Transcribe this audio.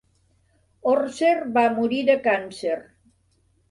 Orser va morir de càncer.